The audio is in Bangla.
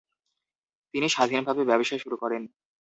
তিনি স্বাধীনভাবে ব্যবসা শুরু করেন।